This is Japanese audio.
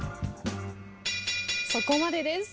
そこまでです。